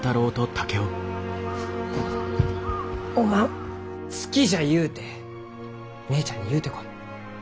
おまん「好きじゃ」ゆうて姉ちゃんに言うてこい。